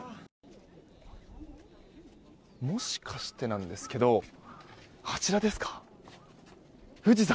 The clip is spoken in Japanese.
もしかしてなんですけどあちらですか？